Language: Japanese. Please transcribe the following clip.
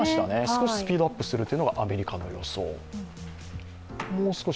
少しスピードアップするというのがアメリカの予想。